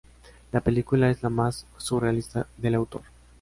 La película es la más surrealista del autor.